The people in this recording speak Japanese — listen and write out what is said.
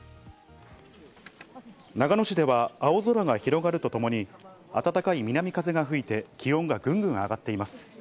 長野市では青空が広がるとともに、暖かい南風が吹いて、気温がぐんぐん上がっています。